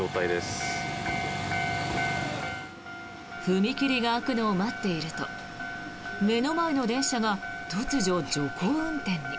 踏切が開くのを待っていると目の前の電車が突如、徐行運転に。